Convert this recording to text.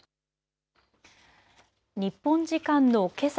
日本時間のけさ